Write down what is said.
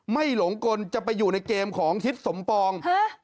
ไม่หลงกลจะไปอยู่ในเกมของชิดสมปอง